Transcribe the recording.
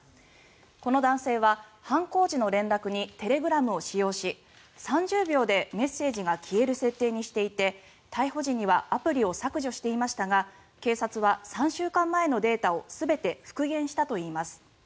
この男性は犯行時の連絡にテレグラムを使用し３０秒でメッセージが消える設定にしていて逮捕時にはアプリを削除していましたが警察は３週間前のデータを全て復元したといいます。